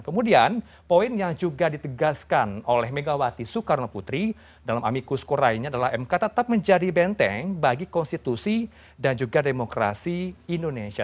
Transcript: kemudian poin yang juga ditegaskan oleh megawati soekarno putri dalam amikus kora ini adalah mk tetap menjadi benteng bagi konstitusi dan juga demokrasi indonesia